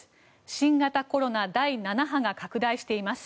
新型コロナ第７波が拡大しています。